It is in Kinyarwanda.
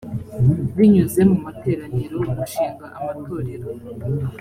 binyuze mu materaniro gushinga amatorero